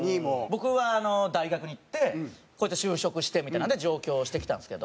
僕は大学に行ってこいつ就職してみたいなんで上京してきたんですけど。